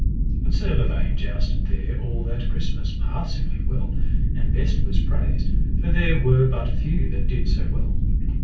But Sir Lavaine jousted there all that Christmas passingly well, and best was praised, for there were but few that did so well.